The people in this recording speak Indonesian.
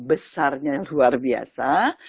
besar yang luar biasa